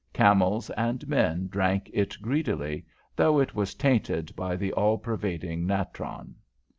Camels and men drank it greedily, though it was tainted by the all pervading natron.